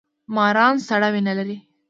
ماران سړه وینه لري